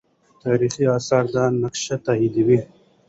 تاریخي آثار دا نقش تاییدوي.